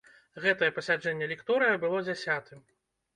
Гэтае пасяджэнне лекторыя было дзясятым.